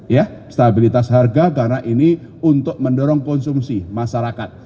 ya stabilitas harga karena ini untuk mendorong konsumsi masyarakat